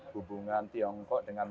hubungan tiongkok dengan